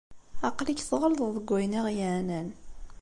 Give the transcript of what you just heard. Aql-ik tɣelḍeḍ deg wayen i aɣ-yeɛnan.